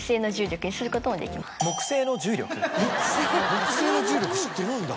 木星の重力知ってるんだ。